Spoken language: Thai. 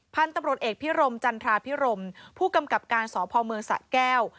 พันธุ์ตำรวจเอกพิรมจันทราพิรมผู้กำกับการสพเมืองสะแก้ว